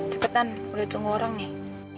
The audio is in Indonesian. cepetan udah tunggu orang nih